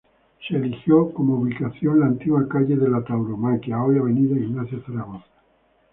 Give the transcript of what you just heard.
Se eligió como ubicación la antigua "Calle de la Tauromaquia", hoy "Avenida Ignacio Zaragoza".